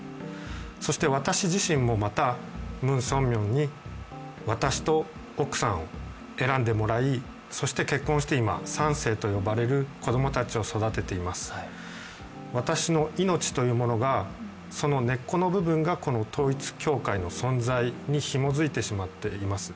そして私自身もまたムン・ソンミョンに、私と奥さんを選んでもらい、そして結婚して３世と呼ばれる子供たちを育てています、私の命というものが、その根っこの部分がこの統一教会の存在にひもづいてしまっています。